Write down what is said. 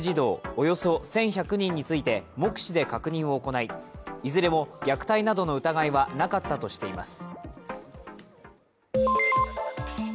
およそ１１００人について目視で確認を行い、いずれも虐待などの疑いはなかったとしています。